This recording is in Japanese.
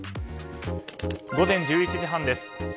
午前１１時半です。